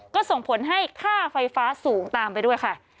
ก็ส่งผลให้ค่าไฟฟ้าสูงตามไปด้วยค่ะ